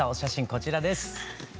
こちらです。